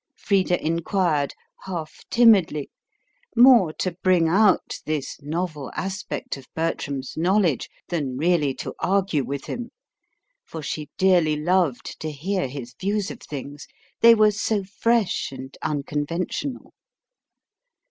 Frida inquired, half timidly, more to bring out this novel aspect of Bertram's knowledge than really to argue with him; for she dearly loved to hear his views of things, they were so fresh and unconventional.